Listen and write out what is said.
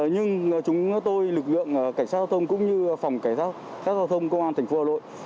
nhưng chúng tôi lực lượng cảnh sát giao thông cũng như phòng cảnh sát giao thông công an tp hà nội